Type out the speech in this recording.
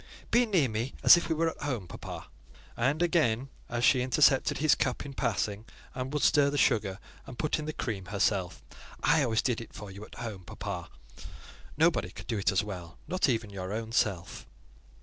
"Be near me, as if we were at home, papa." And again, as she intercepted his cup in passing, and would stir the sugar, and put in the cream herself, "I always did it for you at home; papa: nobody could do it as well, not even your own self."